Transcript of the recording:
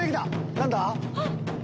何だ？